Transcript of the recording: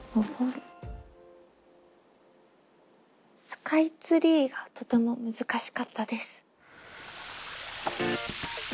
「スカイツリー」がとても難しかったです。